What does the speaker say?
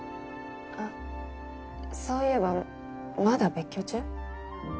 あっそういえばまだ別居中？